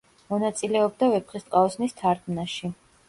მონაწილეობდა ვეფხისტყაოსნის თარგმნაში.